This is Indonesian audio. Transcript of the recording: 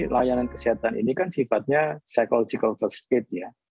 layanan kesehatan ini kan sifatnya psychological state ya